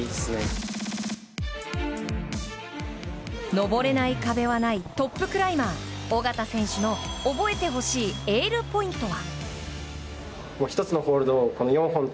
登れない壁はないトップクライマー緒方選手の、覚えてほしいエールポイントは。